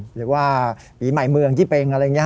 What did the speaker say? หรือว่าปีใหม่เมืองยี่เป็งอะไรอย่างนี้